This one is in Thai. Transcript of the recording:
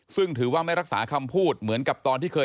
ซึ่งถือว่าไม่รักษาคำพูดเหมือนกับตอนที่เคย